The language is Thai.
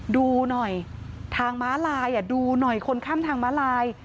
ดูหน่อยทางม้าลายดูหน่อยคนข้ามทางม้าลาย